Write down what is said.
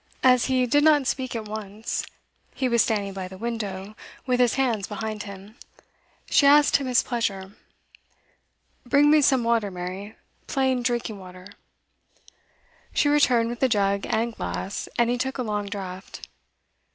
As he did not speak at once, he was standing by the window with his hands behind him, she asked him his pleasure. 'Bring me some water, Mary, plain drinking water.' She returned with a jug and glass, and he took a long draught.